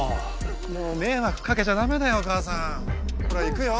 もう迷惑かけちゃダメだよ母さんほら行くよ。